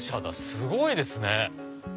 すごいですね。